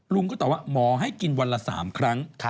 ลุงก็ตอบว่าหมอให้กินวันละ๓ครั้ง